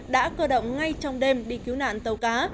đã cơ động ngay trong đêm đi cứu nạn tàu cá